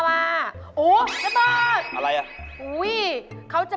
เพื่อนผมนี่เป็นฝรั่ง